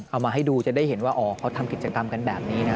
เอามาให้ดูจะได้เห็นว่าอ๋อเขาทำกิจกรรมกันแบบนี้นะ